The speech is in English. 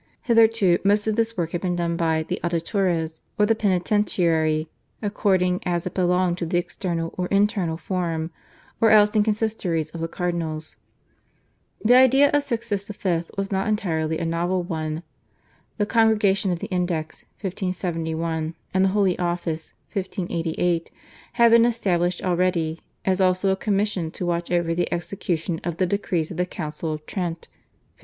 Hitherto most of this work had been done by the /auditores/ or the /penitentiarii/ according as it belonged to the external or internal forum, or else in consistories of the cardinals. The idea of Sixtus V. was not entirely a novel one. The Congregation of the Index (1571) and the Holy Office (1588) had been established already, as also a commission to watch over the execution of the decrees of the Council of Trent (1564).